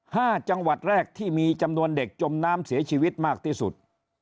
จังหวัดแรกที่มีจำนวนเด็กจมน้ำเสียชีวิตมากที่สุด